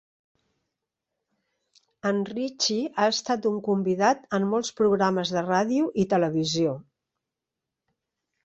En Richie ha estat un convidat en molts programes de ràdio i televisió.